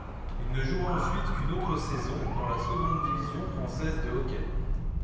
Il ne jouera ensuite qu'une autre saison, dans la seconde division française de hockey.